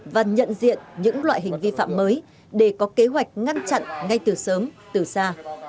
và nhận diện những loại hình vi phạm mới để có kế hoạch ngăn chặn ngay từ sớm từ xa